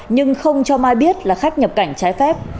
nhưng không cho mai biết là khách nhập cảnh trái phép